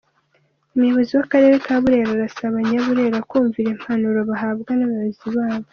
Umuyobozi w’akarere ka Burera arasaba Abanyaburera kumvira impanuro bahabwa n’abayobozi babo.